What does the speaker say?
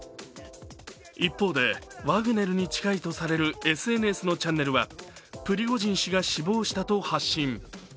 一方で、ワグネルに近いとされるＳＮＳのチャンネルはプリコジン氏が死亡したと発信。